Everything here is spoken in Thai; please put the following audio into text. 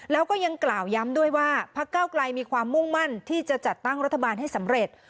แล้วก็ยังกล่าวย้ำด้วยว่าพักเก้าไกลมีความมุ่งมั่นที่จะจัดตั้งรัฐบาลให้สำเร็จ